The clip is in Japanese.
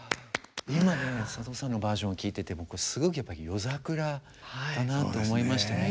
今のね佐藤さんのバージョンを聴いてて僕すごくやっぱり夜桜だなと思いましたね。